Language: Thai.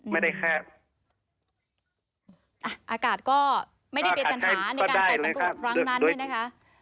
ไม่ได้แค่อ่ะอากาศก็ไม่ได้เป็นปัญหาในการเปิดสังคมหลังนั้นด้วยนะคะ